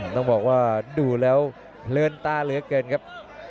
ต้องบอกว่าดูแล้วเพลินตาเหลือเกินครับ